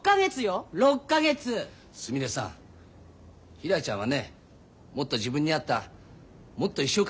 ひらりちゃんはねもっと自分に合ったもっと一生かけられる夢見つけたんだよ。